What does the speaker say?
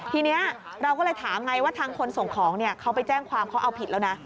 ทีนี้เราก็เลยถามไงว่าทางคนส่งของเขาไปแจ้งความเขาเอาผิดแล้วนะ